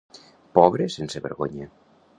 Pobre sense vergonya.